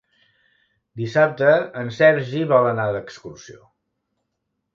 Dissabte en Sergi vol anar d'excursió.